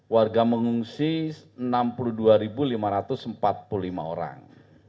warga mengungsi enam puluh dua lima ratus empat puluh lima orang